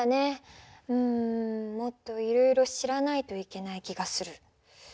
うんもっといろいろ知らないといけない気がする。